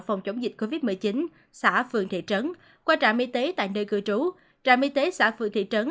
phòng chống dịch covid một mươi chín xã phường thị trấn qua trạm y tế tại nơi cư trú trạm y tế xã phường thị trấn